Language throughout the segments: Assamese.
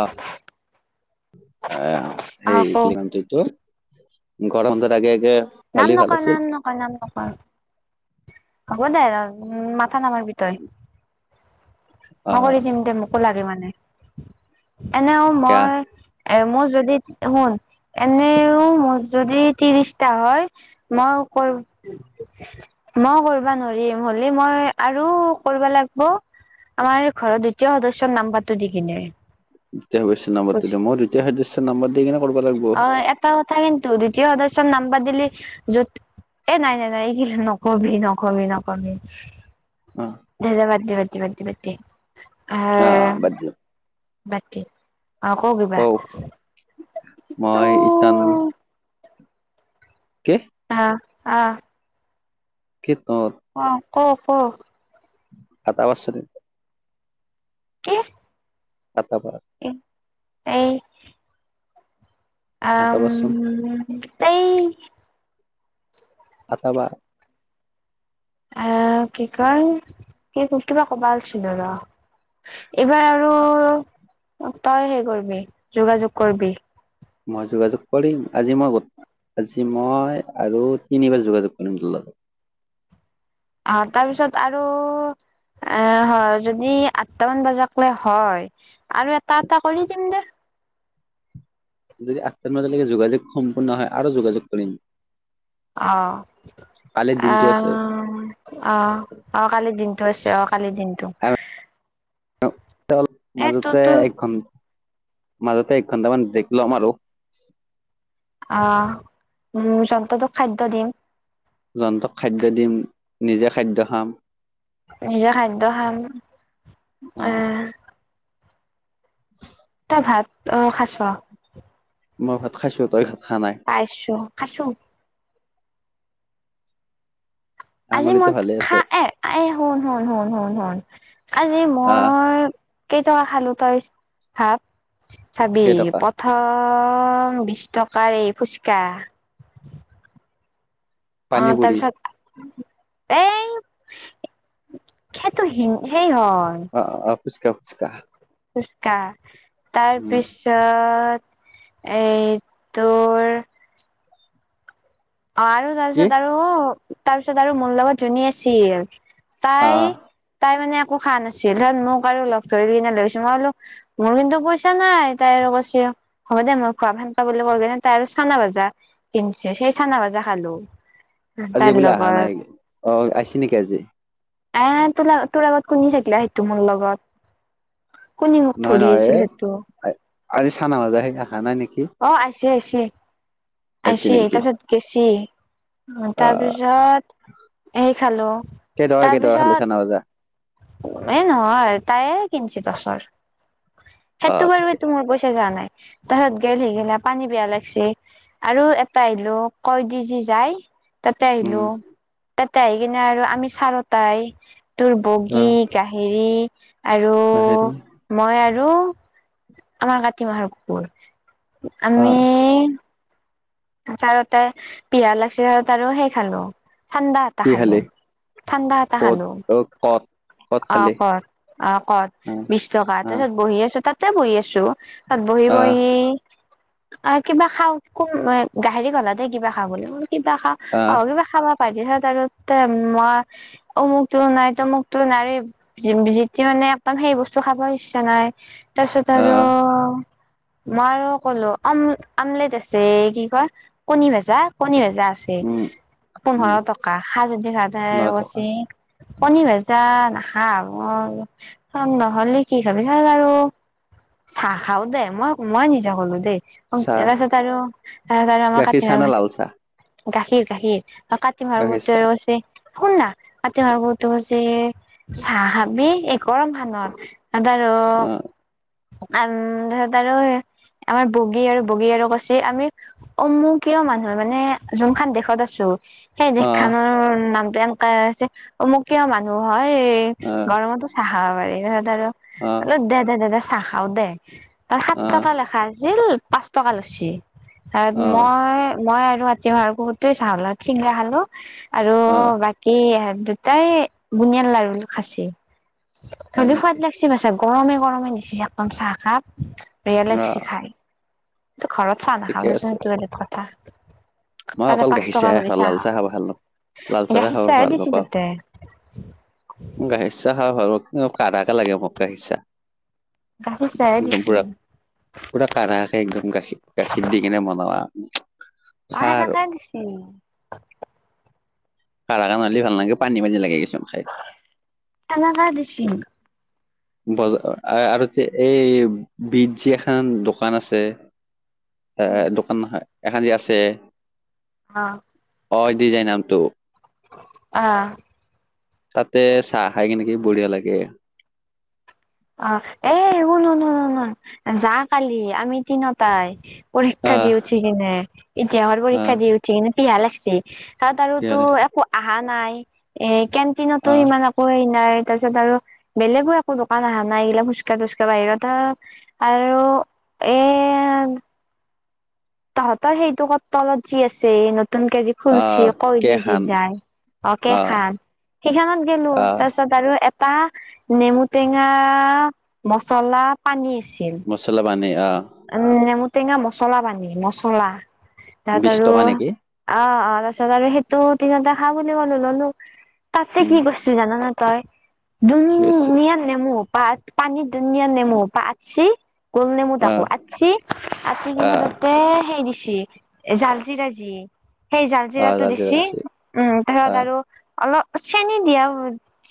আহ আহ সেই আকৌ কিমান তুইতো ঘৰন্ধৰ আগে আগে নাম হ'লে ভাল নকৰ আছিল নাম নক নাম নকৰ হ'ব দে উম মাথা নামাৰ বিতয় অ মই কৰি দিম দে মোকো লাগে মানে এনেও এয়া মই এ মোৰ যদি শুন এনেও মোৰ যদি ত্ৰিশটা হয় মই কৰ মই কৰিব নোৱাৰিম হ'লে মই আৰু কৰিব লাগব আমাৰ ঘৰৰ দ্বিতীয় সদস্যৰ নাম্বাৰটো দি কিনে দ্বিতীয় সদস্য বুজ নাম্বাৰটো দি মই দ্বিতীয় সদস্য নাম্বৰ দি কিনে কৰিব লাগিব অ এটা কথা কিন্তু দ্বিতীয় সদস্য নাম্বাৰ দিলি য'ত এ নাই নাই নাই এই নক'বি নক'বি নক'বি অ দে দে বাদ দি বাদ দি বাদ দি অ আহ বাদ দিয়ক বাদ‌ দি অ ক কিবা, অ এটো মই ইটান কে অ খেতৰ অফ অফ কাটা বাৰছনি কি কাটাবা এই আম আটাবাৰচোন এই আটাবাৰ আহ কি কয় কি কিবা কবা লৈছিলোঁ ৰ এইবাৰ আৰু অ তই সেই কৰিবি যোগাযোগ কৰিবি মই যোগাযোগ কৰিম আজি মই ক'ত আজি মই আৰু তিনিবাৰ যোগাযোগ কৰিম তোৰ লগত। আ' তাৰপিছত আৰু আহ হয় যদি আঠটামান বজাক লয় হয় আৰু এটা এটা কৰি দিম দে। যদি আঠটা বজালৈকে যোগাযোগ সম্পূৰ্ণ হয় আৰু যোগাযোগ কৰিম। অ'। কালিৰ দিনটো আছে অ' অ' অ' কালিৰ দিনটো হৈছে অ' কালিৰ দিনটো। অলপ এ তোৰ মাজতে তোৰ এক ঘণ মাজতে এক ঘণ্টামান ব্ৰেক লম আৰু। অ' উম জন্তুটোক খাদ্য দিম। জন্তুক খাদ্য দিম, নিজে খাদ্য খাম। নিজে খাদ্য খাম, অ এহ ভাত অ খাইচ মই ভাত খাইছো তই খোৱা নাই খাইছো খাইছো। আজি আঙুলিটো মই ভালে আছে খা এ এ শুন শুন শুন শুন শুন। আজি আহ মই কেইটকা খালো তই ভাব। চাবি কেইটকা পথাৰৰ প্ৰথম বিশ টকাৰে ফুচকা। পানী অ' পুৰি তাৰপিছত। এই সেইটো সেই হয়। অ অ ফুচকা ফুচকা। ফুচকা, উম তাৰপিছত এই তোৰ অ' আৰু কি তাৰপিছত আৰু তাৰপিছত আৰু মোৰ লগত যোনে আছিল তাই আহ তাই মানে। একো খাৱা নাছিল তাৰ মোক আৰু লগ ধৰি কিনে লৈ গেছি মই বোলো মোৰ কিন্তু পইচা নাই তাই আৰু কৈছি হ'ব দে মই খোৱাম সেনকে বুলি কৈ কিনে তাই আৰু চানা ভাজা কিনছে। চানা ভাজা খালো। আজি তাইৰ বোলে আহা নাই লগত অ' আহিছি নেকি আজি। নাই আহা তো তোৰ আগত কুনি থাকিলা সেইটো মোৰ লগত। কুনি মোক নহয় ধৰি নহয় আছিল সেটো। এ আজি চানা ভাজা সেই নাই নেকি। অ' আহিছে, আহিছে, আহিছি আহিছে নেকি তাৰপিছত গেছি। উম আহ তাৰপিছত সেই খালো কেইটকা কেইটকা খালি তাৰপিছত চানা [inaudible] এ নহয় তাইয়ে কিনছি দচৰ অ সেইটো বাৰু ঠিকে এইটো মোৰ পইচা যোৱা নাই। তাৰ পিছত গেলি সি পানী পিয়াহ লাগছি। আৰু এটা আহিলো কয়দি যি যাই তাতে উম আহিলো। তাতে আহি কিনে আৰু আমি চাৰতাই তোৰ অ বগী হেৰি আৰু হেৰি মই আৰু আমাৰ কাতি মাহৰ কুকুৰ। অ আমি চাৰতাই পিয়াহ লাগছে তাৰপিছত আৰু সেই খালো। ঠাণ্ডা এটা কি খালো, খালি ঠাণ্ডা এটা ক'ত খালো। অ ক'ত ক'ত অ' খালি ক'ত, অ' ক'ত অ বিশ টকা অ তাৰপিছত বহি আছো তাত তে বহি আছো তাত বহি আহ বহি আৰু কিবা খাওঁ গাহৰি কলা দে কিবা খাও বুলি কিবা খা আহ অ' কিবা খাবা পাৰি তাৰপিছত মই অমুক তো নাই তমুক তো নাই যিতি মানে একদম সেই বস্তু খাব ইচ্ছা নাই। তাৰপিছত আৰু আহ মই আৰু ক'লো আম আমলেট আছে কি কয়। কণী ভজা কণী ভজা। জা আছে উম উম, পোন্ধৰ টকা হাজদি ন টকা। সাধাৰছে কণী ভজা নাখা মই খাম নহলে কি খাবি ভাল আৰু চ খাও দে মই মই নিজে কলো দেই তাৰ চাহ, পিছত আৰু তাৰ কাৰণে আমাৰ গাখীৰ কাতি চাহ মাৰ না লাল চাহ? গাখীৰ গাখীৰ আৰু কাতি মাৰ গাখীৰ বহতো চাহ, আৰু আছে শুনলা আতি ভাবোতো যে চাহ খাবি এই গৰম খনত আৰু অ', আম তাৰত আৰু আমাৰ বগী আৰু বগী আৰু কছি আমি অ মোৰ কিয় মানুহ মানে যোনখন দেশত আছো সেই অ', দেশখনৰ নামটো এনেকোৱা হৈছে অ মোক কিয় মানুহ হয় অ', গৰমতো চাহ খাব পাৰি তত আৰু অ', অল দে দে দে চাহ খাও দে তাৰ সাত অ', টকা লেখা আছিল পাঁচ টকা লছি অ', মই মই আৰু ৰাতি ভুৱাৰ বহুততেই চাহ খালোঁ চিঙৰা খালো আৰু অ', বাকী দুটাই বুনিয়াল লাৰু খাইচে হয় ধলিও নেকি? সোৱাদ লাগিছে মছো গৰমে গৰমে দিছে একদম চাহ খাপ বেয়ালাগচে অ', খায় কি ঘৰতৰত চাও না ঠিকে খামাৰ চ আছে। বলে কথা মই তাতে অকল পাঁচ গাখীৰ টকা চাহ হে ভৰি খাওঁ লাল চাহ খাব ভাল ন লাল চাহে গাখীৰ খাব ভাল দিছি নাপাওঁ তাতে গাখীৰ চাহ খাওঁ আৰু কি কাকে লাগে মোক গাখি চাহ গাখীৰ চাহে একদম দিছি পুৰা পুৰা কাৰাকে একদম গাখীৰ গাখীৰ দি কিনে বনোৱা অ সেনেকাই দিছিল খ কাৰণ হ'লে ভাল লাগে পানী পানী লাগাই গৈছে আমাগ দিছি বজাৰ আৰু এই বিদ যি এখন দোকান আছে এ উম দোকান এখন যে আছে হ অ দিজাই নামটো অহ তাতে চাহ খাই কেনেকি বঢ়িয়া লাগে অ এ শুন শুন শুন যা কালি আমি তিনটাই পৰীক্ষা দি আহ উঠি কিনে ইতিহাহৰ পৰীক্ষা আহ দিয় উঠি কিনে পিয়াহ লাগছে তাত কি আৰুতো একো অহা নাই এ কেনটিনতো আহ ইমান আকৌ হে নাই তাৰপিছত আৰু বেলেগো একো পহ না এইলা খোচকাঢ় তোচ্কা় বাহিৰত আৰু আৰু এ [unintelligible] তহঁতৰ সেইটোক তলত যি আছে ন নতুন কেজি খুলচি আহ কৈ কে দি যি খান যায় অক আহ খান সেইখনত গলো আহ তাৰ পিছত আৰু আ নেমু টেঙা মচলা পানী মছলা পানী আহ উম নেমুটেঙা মচলা পানী মচলা তাত বিশ আৰু টকা নেকি অ অ তাৰপিছত আৰু সেইটো দিনতে খা বুলি কলো ললো তাতে কি উম কৰিছো জানান তই ঠিক আছে ধুনীয়া নেমু পাত পানী ধুনিয়ীয়া নেমু পাটচ গল আহ আছি আচি কিনে আহ তাতে হেইৰি দিছে জাল্জি ৰাজজি সেই জাল আহ জিৰাটো লাগিছে দিছি লাগিছে উম তাৰত আহ আৰু অলপ চেনী দিয়া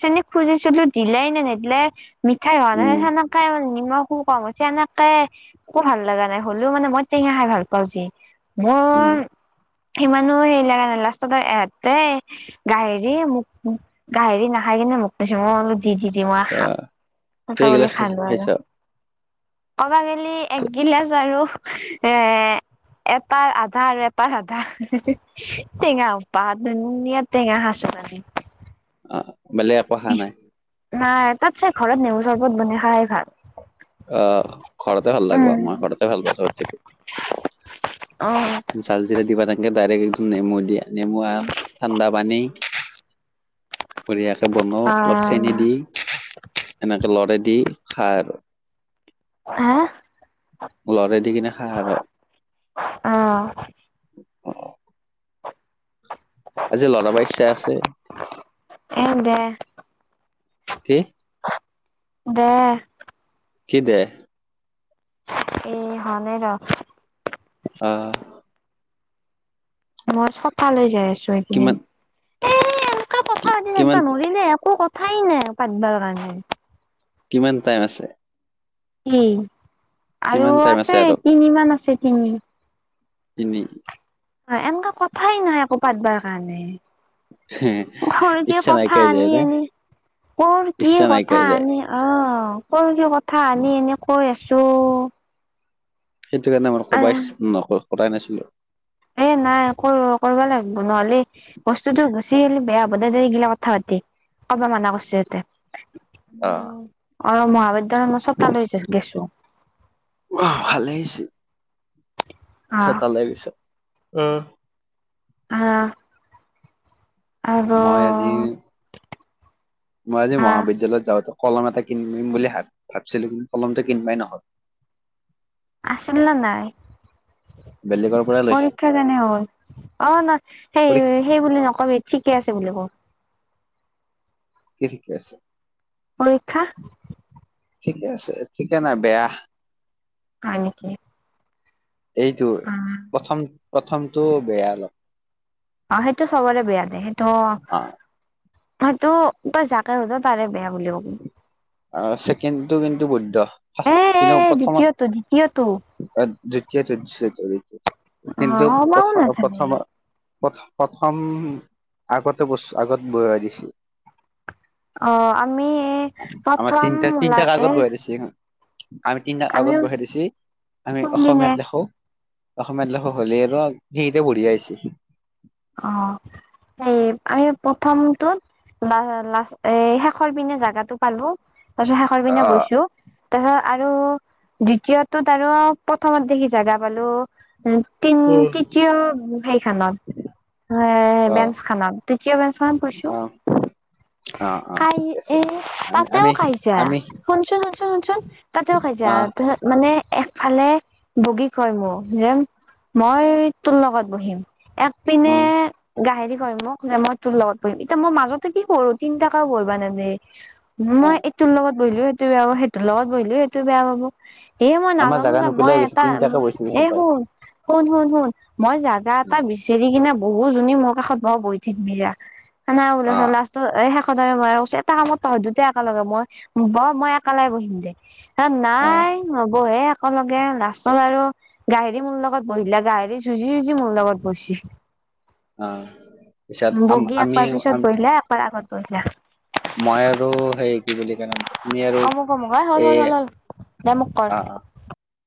চেনী খুজিছিলো দিলাই নে নাইদিলে, মিঠাই খোৱা ন উম সনেকে মানে নিমখো কম হৈছে এনেকে একো ভাল লগা নাই হ'লেও মানে মই টেঙা খাই ভাল পাও যে উম মোৰ সিমানো হেৰি লগা নাই লাষ্টত এহতে গাহেৰি মোক গাহৰি নাখাই কি মোক কৈছ মই বলো দি দি দি মই খাম আহ খাবলৈ কেইগিলাচ খাই খালো আৰু খাইছা পাগেলি একগিলাচ আৰু এ এপাৰ আধা আৰু এপাৰ আধা টেঙা উপাহ ধুনীয়া টেঙা সাচো পালি [unintelligible] বেলেগ একো অহা নাই নাই তাত চাই ঘৰত নেমু চৰবত বনাই খোৱাই ভাল আহ ঘৰতে ভাল লাগব মই ঘৰতে ভাল পাইছোঁ থাকি অ ঝালজিৰা দি পেলাই এনেকে ডাইৰেক্ট এইটো নেমু দিয়া নেমু ঠাণ্ডা পানী বঢ়িয়াকে বনওঁ অলপ চেনি দি অ এনেকে লৰা দি খাই আৰু হা লৰা দি কিনে খা আৰু অ আজি ল'ৰাবোৰ আইছে? এ দে কি? দে কি দে? এ হয়নে নহ আহ মই চকালে যাই আছো এইকিদিন। কিমান কথা কি পাতি কিমান থাকিবা নোৱাৰলে একো কথাই নাই পাতিবাৰ কাৰণে কিমান টাইম আছে? কি আৰু কিমান টাইম আছে আৰু তিনি মান আছে তিনি তিনি অ এনেকুৱা কথাই নাই একৌ পাতবাৰ কাৰণে ঘৰকে ইচ্ছা কথা নাইকিয়াই যায় আনি নে আনি কৰ কি ইচ্ছা কথা নাইকিয়াই যায় আনি অ কৰ কি কথা আনি এনে কৈ আছ চো সেইটো কাৰণে আমাৰ কবাই ইচ্ছা কৰাই নাছিলো এ নাই কৰ কৰিব লাগিব নহলে বস্তুতো বেছি হলি বেয়া হ'ব ন এইগিলা কথা পাতি কব মানা কৰিছো ইহতে আহ উ অ মহাবিদ্যয়ালয় মই ছত লৈ গেছো অ ভালেইছি আছা আহ তালৈ গৈছে উ হা। আৰু মই আজি মই আজি আহ মহবিদ্যালয়ত যাওঁতে কলম এটা কিনিম বুলি ভাব ভাবিছিলো কিন্তু কলমটো কিনিবাই নহল। আছিল নে নাই? বেলেগৰ পৰা লৈছো পৰীক্ষা কেনে হ'ল অ নহয় পৰীক্ষা সেই সেই বুলি নকবি। ঠিকে আছে বুলি ক। কি ঠিকে আছে? পৰীক্ষা ঠিকে আছে ঠিকে নাই বেয়া। হয় নেকি এইটো অ প্ৰথম প্ৰথমটো বেয়া অলপ অ সেইটো চবৰে বেয়া দে সেইটো অ হয় তো তই যাকে সোধ তাৰে বেয়া বুলি কব। ছেকেণ্ডটো কিন্তু বৈদ্ধ এ ফাৰ্ষ্ট এ কিন্তু এ দ্বিতীয়টো দ্বিতীয়টো প্ৰথমত দ্বিতীয়টো দীয় দ্বিতীয় অ কিন্তু ওলাও প্ৰথ নাজানে প্ৰথম প্ৰথ প্ৰথম আগতে বস আগত বোৱাই দিছিল। অ আমি আমাৰ প্ৰথম তিনটা তিনটাক আগত লাগে বহাই দিছে আমি তিনিটা আগত বহাই দিছি আমি কোনদিনে অসমীয়াত লিখো। অসমীয় লেখো হলে আৰু হেৰিতে বঢ়িয়া হৈছি। অ এই আমি প্ৰথমটোত ল লা এ শেষৰ পিনে জাগাটো পালো। শেষৰ অ পিনে গৈছো। ত আৰু দ্বিতীয়টোত আৰু প্ৰথমত দেখি জাগা পালো। উ তিন অ তৃতীয় সেইখনত। অ বেন্স খনত তৃতিও বেঞ্চ খনত বহিছোঁ। অ অ কাই ঠিক আছে এ আমি তাতেও আমি খাইছা আমি শুনচোন শুনচোন তাতেও খাইছা অ ত মানে, একফালে বগী কয় মোক যে, মই তোৰ লগত বহিম এক পিনে উম গাহেৰি য়ে মোক কয় যে মই তোৰ লগত বহিম, এতিয়া মই মাজতে কি কৰোঁ তিনটাকেও বহিব নিদিয়ে। অ মই এইটোৰ লগত বহিলো সেইটো বেয়া পাব সেইটোৰ লগত বহিলো সেইটো বেয়া পাব। এ মই আমাৰ নাজানো জাগা যে মই নুকুলাই গৈছে এটা তিনটাকে বৈছি গৈছে এ তাই। শুন শুন শুন শুন মই জাগা এটা বিচাৰি কিনে বহু জনী মোৰ কাষত বহ্ বহি থাকিবি আ [unintelligible] অ সদায় ময়ে কৈছো এটা কামত তহত দুটা একেলগে বহ মই একেলাই বহিম দে। হে নাই অ নবহে এক একে লগে লাষ্টত আৰু গাহেৰি মোৰ লগত বহিলে গাহেৰি যুঁজি যুঁজি মোৰ লগত বহিছি। পিছত আম বগী আমি একবাৰ পিছত বহিলে একবাৰ আগত বহিলে। মই আৰু হেৰি কি বুলি কয় নামটো তুমি আৰু অমুক অমুক অই হ'ল এ হ'ল হ'ল হ'ল দে মোক কৰ আ আ